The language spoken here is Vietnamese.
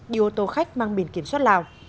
đi ô tô khách mang biển kiểm soát lào